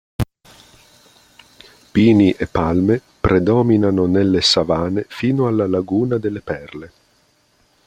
Pini e palme predominano nelle savane fino alla Laguna delle perle.